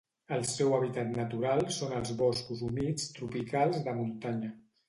El seu hàbitat natural són els boscos humits tropicals de muntanya.